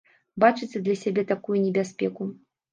Бачыце для сябе такую небяспеку?